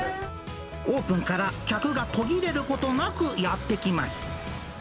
オープンから客が途切れることなくやって来ます。